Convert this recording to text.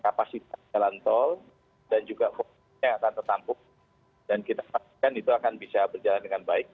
kapasitas jalan tol dan juga fokusnya akan tertampung dan kita pastikan itu akan bisa berjalan dengan baik